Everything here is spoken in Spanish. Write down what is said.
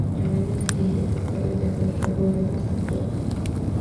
Al año siguiente, Portales dejó el cargo y regresó al puerto.